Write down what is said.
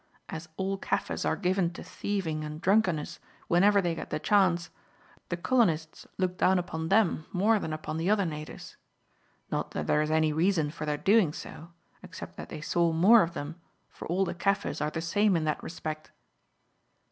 As all Kaffirs are given to thieving and drunkenness whenever they get the chance, the colonists looked down upon them more than upon the other natives. Not that there is any reason for their doing so, except that they saw more of them, for all the Kaffirs are the same in that respect."